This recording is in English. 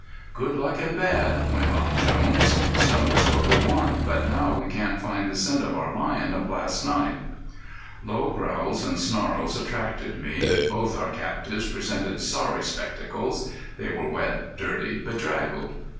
"Good luck and bad!" went on Jones. "Snow is what we want, but now we can't find the scent of our lion of last night." Low growls and snarls attracted me. Both our captives presented sorry spectacles; they were wet, dirty, bedraggled.